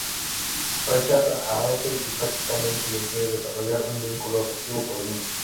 Rechaza a Ángel y prácticamente le impide desarrollar un vínculo afectivo con los niños.